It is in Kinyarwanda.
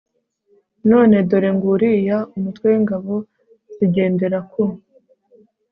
None dore nguriya umutwe w ingabo zigendera ku